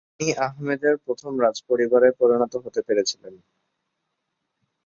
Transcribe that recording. তিনি আহমেদের প্রথম রাজপরিবারে পরিণত হতে পেরেছিলেন।